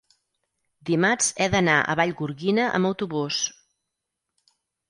dimarts he d'anar a Vallgorguina amb autobús.